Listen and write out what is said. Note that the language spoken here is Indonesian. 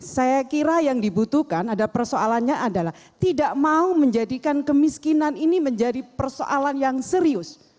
saya kira yang dibutuhkan ada persoalannya adalah tidak mau menjadikan kemiskinan ini menjadi persoalan yang serius